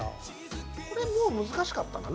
これもう難しかったな。